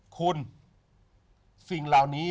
คุณสิ่งเหล่านี้